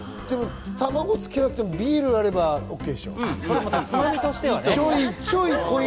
卵をつけなくてもビールがあればいいでしょ。